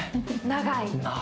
長い。